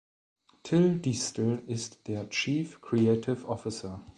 Till Diestel ist der Chief Creative Officer.